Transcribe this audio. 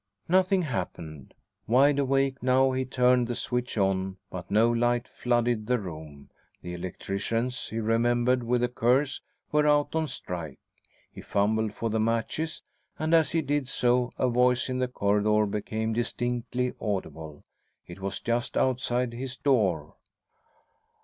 Nothing happened. Wide awake now, he turned the switch on, but no light flooded the room. The electricians, he remembered with a curse, were out on strike. He fumbled for the matches, and as he did so a voice in the corridor became distinctly audible. It was just outside his door.